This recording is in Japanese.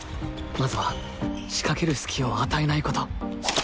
まずは仕掛けるスキを与えないこと。